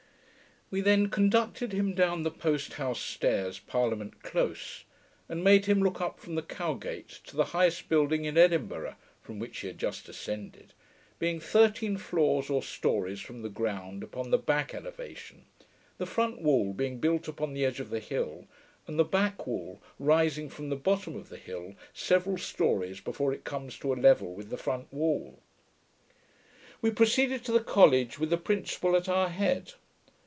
We then conducted him down the Post house stairs, Parliament Close, and made him look up from the Cow gate to the highest building in Edinburgh (from which he had just descended), being thirteen floors or stories from the ground upon the back elevation; the front wall being built upon the edge of the hill, and the back wall rising from the bottom of the hill several stories before it comes to a level with the front wall. We proceeded to the College, with the Principal at our head.